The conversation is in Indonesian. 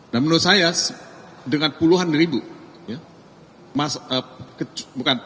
dan menurut saya dengan puluhan ribu ya mas eh bukan